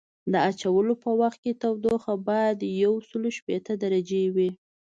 د اچولو په وخت تودوخه باید یوسل شپیته درجې وي